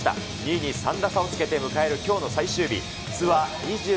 ２位に３打差をつけて迎える響の最終日。